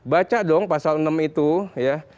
baca dong pasal enam itu ya